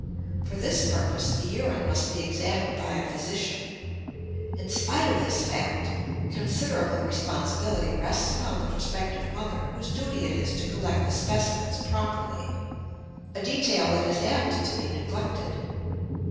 For this purpose the urine must be examined by a physician. In spite of this fact, considerable responsibility rests upon the prospective mother, whose duty it is to collect the specimens properly a detail that is apt to be neglected.